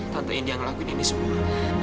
tante ini yang lakuin ini semua